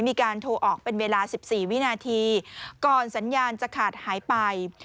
มีการโทรออกเป็นเวลา๑๔วินาทีก่อนสัญญาณจะขาดหายไป